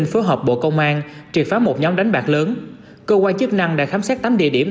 phối hợp bộ công an triệt phá một nhóm đánh bạc lớn cơ quan chức năng đã khám xét tám địa điểm